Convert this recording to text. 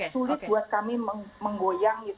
sulit buat kami menggoyang